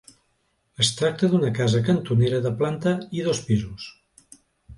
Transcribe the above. Es tracta d'una casa cantonera de planta i dos pisos.